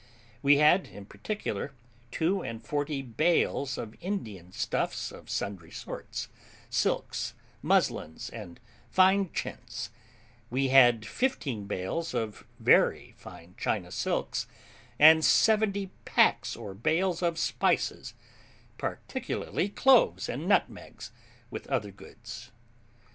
We had, in particular, two and forty bales of Indian stuffs of sundry sorts, silks, muslins, and fine chintz; we had fifteen bales of very fine China silks, and seventy packs or bales of spices, particularly cloves and nutmegs, with other goods.